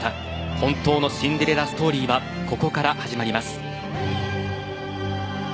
本当のシンデレラストーリーはここから始まります。